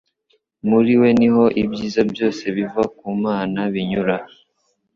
muri we niho ibyiza byose biva ku Mana binyura